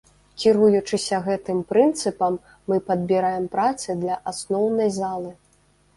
Кіруючыся гэтым прынцыпам, мы падбіраем працы для асноўнай залы.